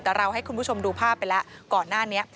แต่เราให้คุณผู้ชมดูภาพไปแล้วก่อนหน้านี้